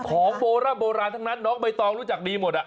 นี่ของโบราณทั้งนั้นน้องใบตองรู้จักดีหมด